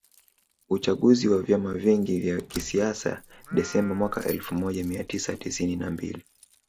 Uchaguzi wa vyama vingi vya kisiasa Desemba mwaka elfumoja miatisa tisini na mbili